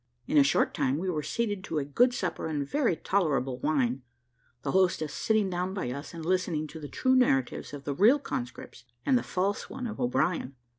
In a short time we were seated to a good supper and very tolerable wine, the hostess sitting down by us, and listening to the true narratives of the real conscripts, and the false one of O'Brien.